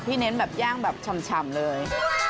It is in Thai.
เน้นแบบย่างแบบฉ่ำเลย